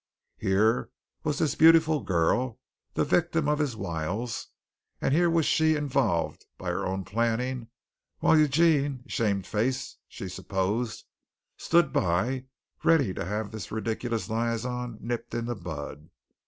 Here was this beautiful girl, the victim of his wiles, and here was she involved by her own planning, while Eugene, shame faced, she supposed, stood by ready to have this ridiculous liaison nipped in the bud.